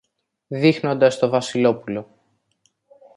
δείχνοντας το Βασιλόπουλο.